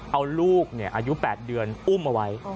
เอาลูกอายุ๘เดือนอุ้มเอาไว้